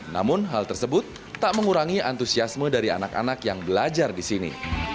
namun hal tersebut tak mengurangi antusiasme dari anak anak yang belajar di sini